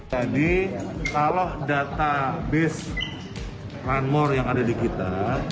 jadi kalau data base landmark yang ada di kita